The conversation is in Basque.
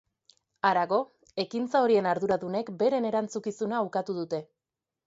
Harago, ekintza horien arduradunek beren erantzukizuna ukatu dute.